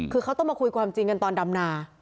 คือเขาต้องมาคุยความจริงกันตอนดำนา